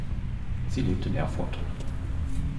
Sie lebt in Erfurt.